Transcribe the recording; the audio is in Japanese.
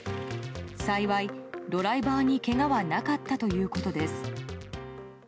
幸いドライバーに、けがはなかったということです。